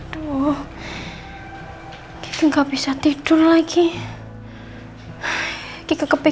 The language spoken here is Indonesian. cuma mulai ngak bisa tidurpm ibulkan kragenya gak bisa tidur lagi